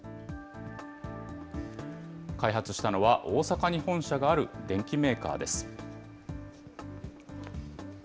開発したのは大阪に本社がある電機メーカーです。